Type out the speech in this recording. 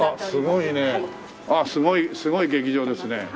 ああすごいすごい劇場ですね。